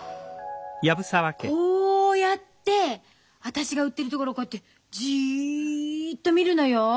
こうやって私が売ってるところこうやってジッと見るのよ。